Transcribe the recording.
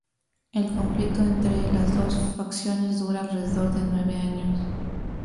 El conflicto entre las dos facciones dura alrededor de nueve años.